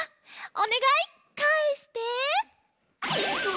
おねがいかえして。